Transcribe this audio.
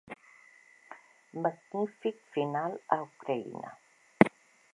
Magnífic final a Ucraïna.